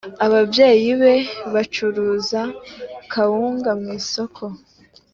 ababyeyi be bacuruza kawunga mwisoko